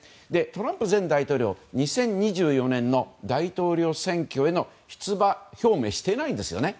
トランプ前大統領は２０２４年の大統領選挙への出馬表明していないんですよね。